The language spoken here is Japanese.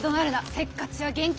せっかちは厳禁。